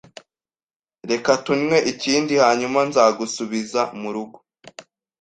Reka tunywe ikindi, hanyuma nzagusubiza murugo